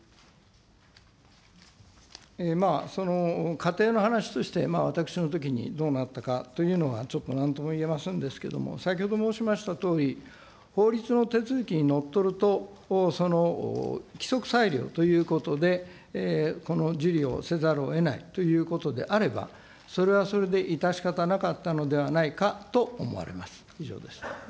仮定の話として、私のときにどうなったかというのはちょっとなんとも言えませんですけども、先ほど申しましたとおり、法律の手続きにのっとると、規則裁量ということで、この受理をせざるをえないということであれば、それはそれで致し方なかったのではないかと思われます。